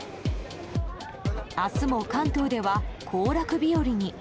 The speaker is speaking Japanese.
明日も関東では行楽日和に。